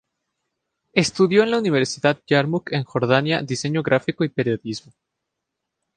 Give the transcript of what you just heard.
Estudió en la Universidad Yarmuk en Jordania diseño gráfico y periodismo.